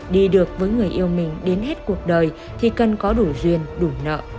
đi được với người yêu mình đến hết cuộc đời thì cần có đủ duyên đủ nợ